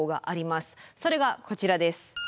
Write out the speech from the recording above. それがこちらです。